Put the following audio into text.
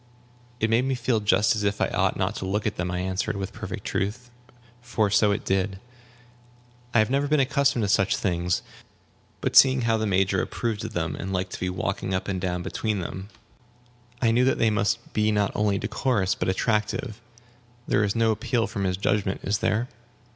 "It made me feel just as if I ought not to look at them," I answered, with perfect truth, for so it did; "I have never been accustomed to such things. But seeing how the Major approved of them, and liked to be walking up and down between them, I knew that they must be not only decorous, but attractive. There is no appeal from his judgment, is there?"